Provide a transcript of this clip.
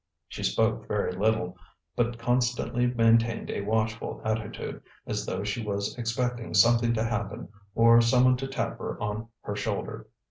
She spoke very little, but constantly maintained a watchful attitude, as though she was expecting something to happen or someone to tap her on her shoulder.